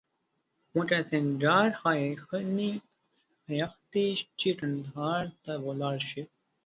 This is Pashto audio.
وکړه سینگار ښایښتې چې قندهار ته ولاړ شو